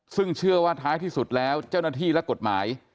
ซึ่งเชื่อว่าท้ายที่สุดแล้วเจ้าหน้าที่และกฎหมาย